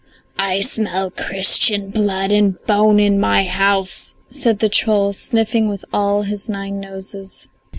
I smell Christian blood and bone in my house," said the troll, sniffing with all his nine noses.